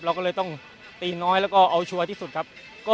เราก็เลยต้องตีน้อยแล้วก็เอาชัวร์ที่สุดครับ